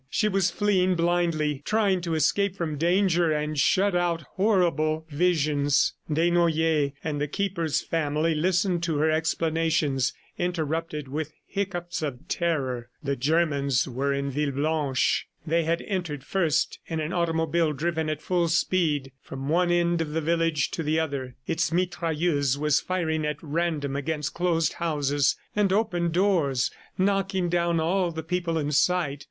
She was fleeing blindly, trying to escape from danger and shut out horrible visions. Desnoyers and the Keeper's family listened to her explanations interrupted with hiccoughs of terror. The Germans were in Villeblanche. They had entered first in an automobile driven at full speed from one end of the village to the other. Its mitrailleuse was firing at random against closed houses and open doors, knocking down all the people in sight.